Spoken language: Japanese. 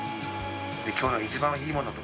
きょうの一番いいものと。